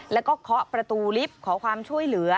แล้วก็เคาะประตูลิฟต์ขอความช่วยเหลือ